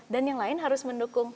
dan yang lain harus mendukung